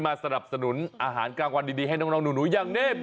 สนับสนุนอาหารกลางวันดีให้น้องหนูอย่างเน่